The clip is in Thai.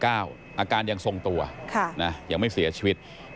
อาการยังทรงตัวยังไม่เสียชีวิต